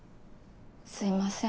すいません。